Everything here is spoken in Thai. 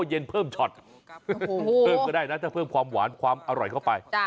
เย็นเพิ่มช็อตเพิ่มก็ได้นะถ้าเพิ่มความหวานความอร่อยเข้าไป